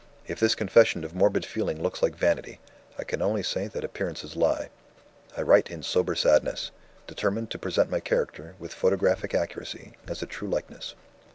If this confession of morbid feeling looks like vanity, I can only say that appearances lie. I write in sober sadness; determined to present my character, with photographic accuracy, as a true likeness.